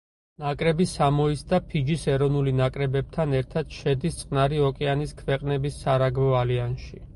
ნაკრები სამოის და ფიჯის ეროვნული ნაკრებებთან ერთად შედის წყნარი ოკეანის ქვეყნების სარაგბო ალიანსში.